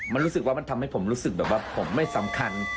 มันรู้สึกว่ามันทำให้ผมรู้สึกแบบว่าผมไม่สำคัญ